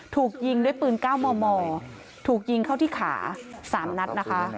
ถูกยิงด้วยปืนก้าวหม่อถูกยิงเข้าที่ขา๓นัด